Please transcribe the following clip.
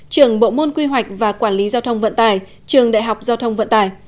trường bộ môn quy hoạch và quản lý giao thông vận tải trường đại học giao thông vận tải